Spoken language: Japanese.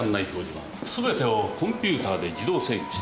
板すべてをコンピューターで自動制御しています。